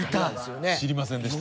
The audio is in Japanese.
知りませんでした。